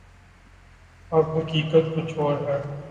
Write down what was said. اب حقیقت کچھ اور ہے۔